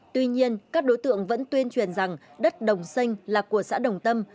tuy nhiên các đối tượng vẫn tuyên truyền rằng đất đồng xanh là của xã đồng tâm